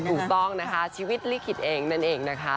ถูกต้องนะคะชีวิตลิขิตเองนั่นเองนะคะ